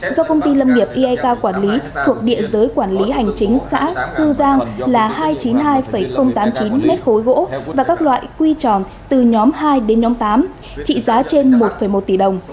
do công ty lâm nghiệp iek quản lý thuộc địa giới quản lý hành chính xã cư giang là hai trăm chín mươi hai tám mươi chín m ba gỗ và các loại quy tròn từ nhóm hai đến nhóm tám trị giá trên một một tỷ đồng